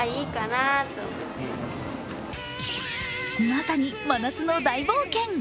まさに真夏の大冒険。